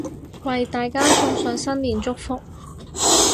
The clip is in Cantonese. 為大家送上新年祝福